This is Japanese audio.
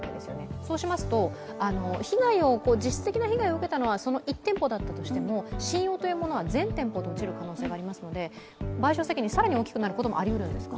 そうしますと、被害を実質的な被害を受けたのは１店舗だったとしても、信用というのは全店舗で落ちる可能性がありますので、賠償責任が更に大きくなることもありえるんですか？